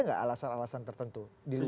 enggak alasan alasan tertentu di luar itu